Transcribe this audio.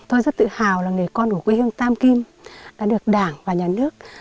tôi rất tự hào là nghề con của quê hương tam kim đã được đảng và nhà nước